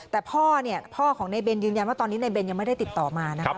แต่พ่อเนี่ยพ่อของในเบนยืนยันว่าตอนนี้ในเบนยังไม่ได้ติดต่อมานะครับ